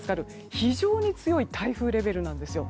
非常に強い台風レベルなんですよ。